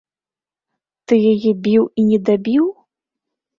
Ты яе біў і недабіў?